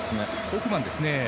ホフマンですね。